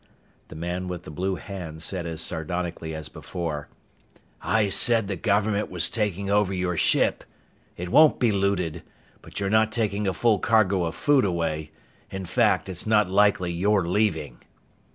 The man with the blue hand said as sardonically as before, "I said the government was taking over your ship! It won't be looted. But you're not taking a full cargo of food away! In fact, it's not likely you're leaving!"